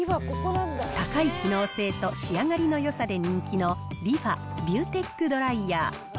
高い機能性と仕上がりのよさで人気のリファビューテックドライヤー。